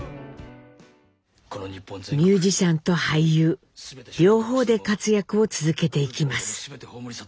ミュージシャンと俳優両方で活躍を続けていきます。